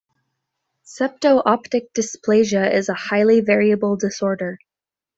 Septo-optic dysplasia is a highly variable disorder.